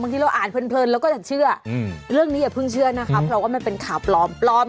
ที่เราอ่านเพลินเราก็จะเชื่อเรื่องนี้อย่าเพิ่งเชื่อนะคะเพราะว่ามันเป็นข่าวปลอม